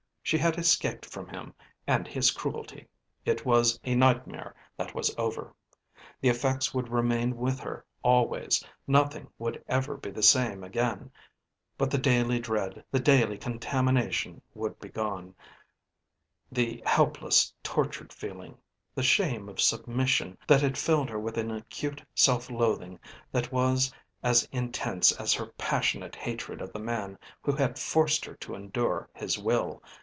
She had escaped from him and his cruelty, it was a nightmare that was over. The effects would remain with her always, nothing would ever be the same again, but the daily dread, the daily contamination would be gone, the helpless tortured feeling, the shame of submission that had filled her with an acute self loathing that was as intense as her passionate hatred of the man who had forced her to endure his will.